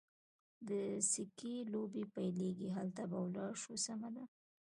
د سکې لوبې پیلېږي، هلته به ولاړ شو، سمه ده.